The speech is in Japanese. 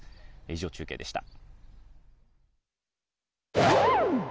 以上、中継でした。